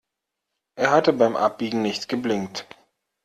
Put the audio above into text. Er hatte beim Abbiegen nicht geblinkt.